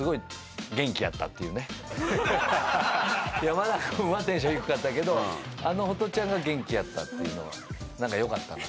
山田君はテンション低かったけどあのホトちゃんが元気やったっていうのは何か良かったな。